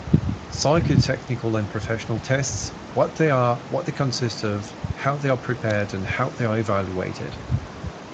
Psycho-technical and professional tests: what they are, what they consist of, how they are prepared and how they are evaluated.